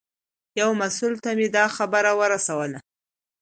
یو مسوول ته مې دا خبره ورسوله.